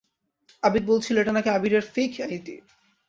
আবিদ বলছিলো এটা নাকি আবিরের ফেইক আইডি।